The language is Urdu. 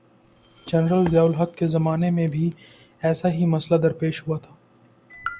جنرل ضیاء الحق کے زمانے میں بھی ایسا ہی مسئلہ درپیش ہوا تھا۔